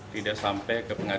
tidak sampai kepencangan